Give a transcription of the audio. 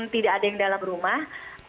tidak ada yang dalam rumah